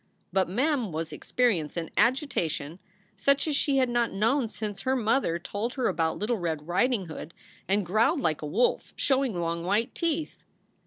But Mem was experiencing an agitation such as she had not known since first her mother told her about Little Red Riding Hood and growled like a wolf, showing long white teeth.